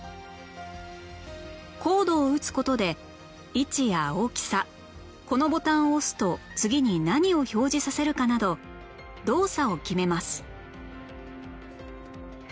コードを打つ事で位置や大きさこのボタンを押すと次に何を表示させるかなど動作を決めます